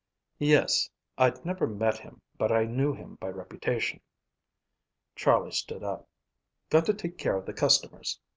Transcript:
"Yes. I'd never met him, but I knew him by reputation." Charlie stood up. "Got to take care of the customers.